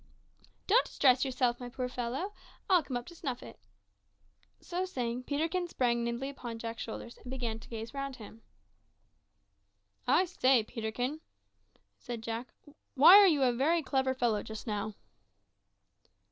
"Don't distress yourself, my dear fellow; I'll come up to snuff it." So saying, Peterkin sprang nimbly upon Jack's shoulders, and began to gaze round him. "I say, Peterkin," said Jack, "why are you a very clever fellow just now?"